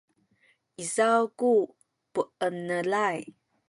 izaw ku puenelay